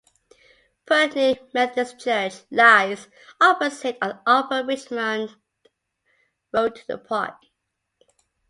Putney Methodist Church lies opposite on Upper Richmond road to the park.